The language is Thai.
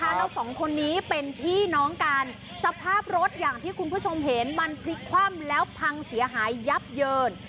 แล้วสองคนนี้เป็นพี่น้องกันสภาพรถอย่างที่คุณผู้ชมเห็นมันพลิกคว่ำแล้วพังเสียหายยับเยิน